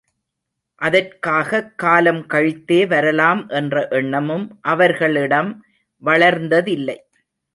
அதற்காகக் காலம் கழித்தே வரலாம் என்ற எண்ணமும் அவர்களிடம் வளர்ந்ததில்லை.